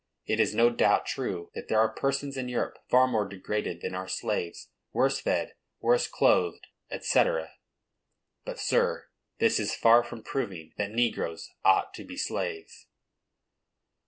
It is no doubt true that there are persons in Europe far more degraded than our slaves,—worse fed, worse clothed, &c., but, sir, this is far from proving that negroes ought to be slaves.